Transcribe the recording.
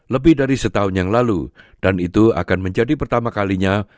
lebih dari setahun yang lalu dan itu akan menjadi pertama kalinya